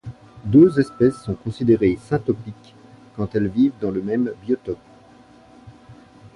Deux espèces sont considérées syntopiques quand elles vivent dans le même biotope.